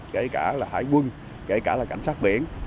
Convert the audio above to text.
kể cả là hải quân kể cả là cảnh sát biển